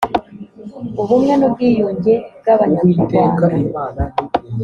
ubumwe n’ubwiyunge bw’abanyarwnda